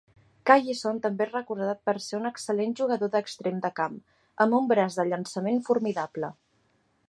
Callison també és recordat per ser un excel·lent jugador d'extrem de camp, amb un braç de llançament formidable.